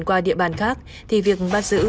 qua địa bàn khác thì việc bắt giữ